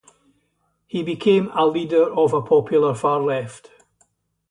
He became a leader of a popular far-left.